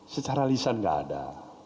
secara lisan gak ada